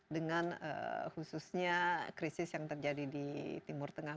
dengan khususnya krisis yang terjadi di timur tengah